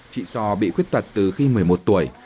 chị so bị khuyết tật từ khi một mươi một tuổi